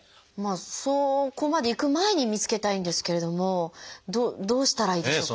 そこまでいく前に見つけたいんですけれどもどうしたらいいでしょうか？